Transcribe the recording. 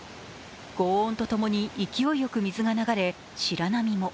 ごう音とともに勢いよく水が流れ、白波も。